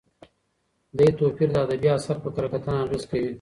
دې توپیر د ادبي اثر په کره کتنه اغېز کوي.